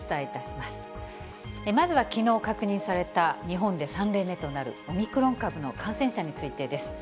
まずはきのう確認された日本で３例目となるオミクロン株の感染者についてです。